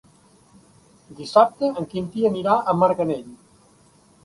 Dissabte en Quintí anirà a Marganell.